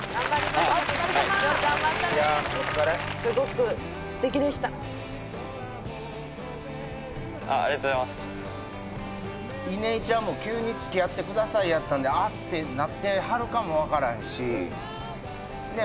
お疲れさま依寧ちゃんも急に「付き合ってください」やったんで「あっ」てなってはるかもわからへんしねえ